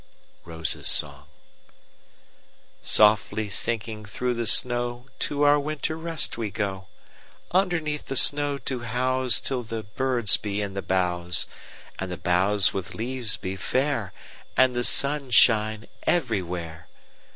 ROSES' SONG"SOFTLY sinking through the snow, To our winter rest we go, Underneath the snow to houseTill the birds be in the boughs, And the boughs with leaves be fair, And the sun shine everywhere.